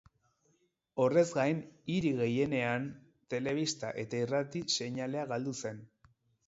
Horrez gain, hiri gehienean telebista eta irrati seinalea galdu zen.